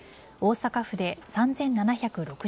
大阪府で３７６０人